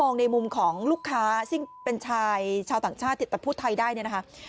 ในมุมของลูกค้าซึ่งเป็นชายชาวต่างชาติแต่พูดไทยได้เนี่ยนะคะ